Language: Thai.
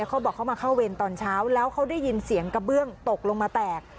เขาบอกเขามาเข้าเวรตอนเช้าแล้วเขาได้ยินเสียงกระเบื้องตกลงมาแตก